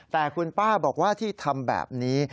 แต่คุณป้าบอกว่าที่ทำแบบนี้